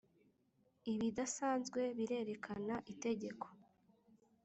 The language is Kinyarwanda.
ibidasanzwe birerekana itegeko.